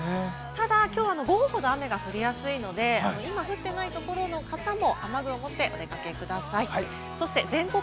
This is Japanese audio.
ただきょうは午後ほど雨が降りやすいので、今降ってないところの方も雨具を持ってお出かけください。